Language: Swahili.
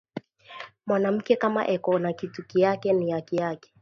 Mwanamuke kama eko nakitu nikyake ni haki yake